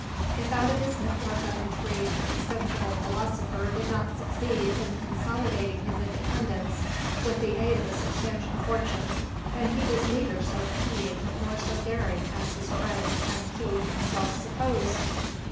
If out of this network of intrigues a sensible philosopher did not succeed in consolidating his independence with the aid of a substantial fortune, then he was neither so keen nor so daring as his friends and he himself supposed!